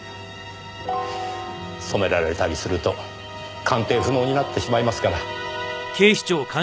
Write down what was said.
染められたりすると鑑定不能になってしまいますから。